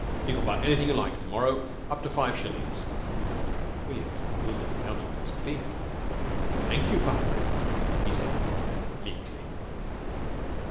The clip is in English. "You can buy anything you like to morrow up to five shillings." William's bewildered countenance cleared. "Thank you, father," he said meekly.